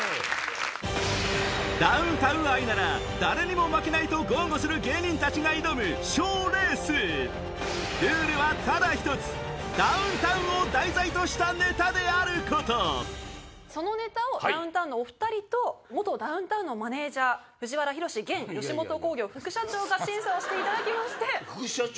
ダウンタウン愛なら誰にも負けないと豪語する芸人たちが挑む賞レースルールはただ１つそのネタをダウンタウンのお２人と元ダウンタウンのマネジャー藤原寛現吉本興業副社長が審査をしていただきまして。